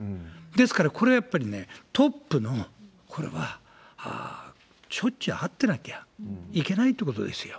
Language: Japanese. ですから、これはやっぱりね、トップの、これはしょっちゅう会ってなきゃいけないってことですよ。